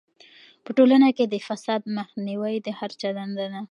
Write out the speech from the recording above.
په ټولنه کې د فساد مخنیوی د هر چا دنده ده.